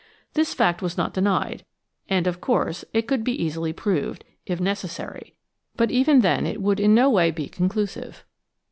This fact was not denied, and, of course, it could be easily proved, if necessary, but even then it would in no way be conclusive.